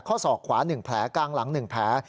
ศอกขวา๑แผลกลางหลัง๑แผล